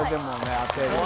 当てる